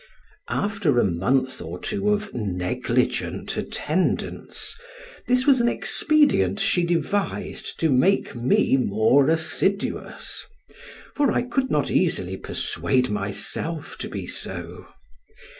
After a month or two of negligent attendance, this was an expedient she devised to make me more assiduous, for I could not easily persuade myself to be so.